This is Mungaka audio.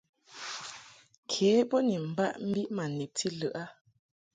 Ke bo ni mbaʼ mbiʼ ma nebti lɨʼ a.